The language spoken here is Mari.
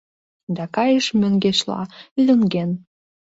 Да кайыш мӧҥгешла, лӱҥген.